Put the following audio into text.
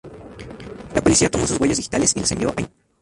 La policía tomó sus huellas digitales y las envió a Interpol.